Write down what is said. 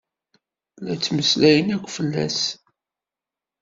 La ttmeslayen akk fell-as.